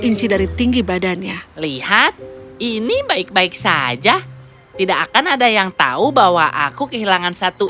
inci dari tinggi badannya lihat ini baik baik saja tidak akan ada yang tahu bahwa aku kehilangan satu